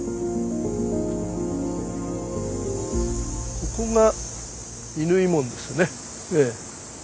ここが乾門ですね。